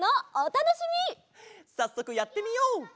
さっそくやってみよう！